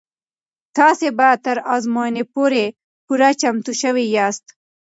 تاسې به تر ازموینې پورې پوره چمتو شوي یاست.